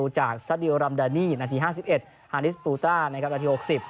จากซาดิโอรัมดานีหน้าที๕๑ฮานิสปูต้าหน้าที๖๐